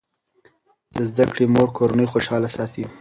د زده کړې مور کورنۍ خوشاله ساتي.